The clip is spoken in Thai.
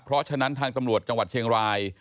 เพราะฉะนั้นทางตำรวจจังหวัดเชียงราย